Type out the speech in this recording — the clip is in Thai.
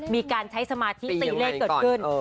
มีการใช้สมาธิตีเลขเกิดขึ้น